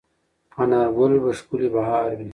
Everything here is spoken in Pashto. په انارګل به ښکلی بهار وي